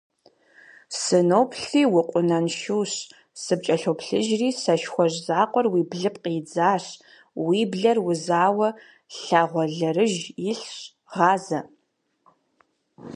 Сыноплъыри укъунаншущ, сыпкӀэлъоплъыжри сэшхуэжь закъуэр уи блыпкъ идзащ, уи блэр узауэ лагъуэлэрыж илъщ, гъазэ.